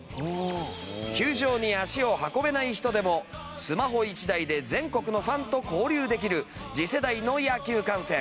球場に足を運べない人でもスマホ１台で全国のファンと交流できる次世代の野球観戦。